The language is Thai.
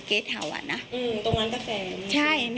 เข้าสอยนั้น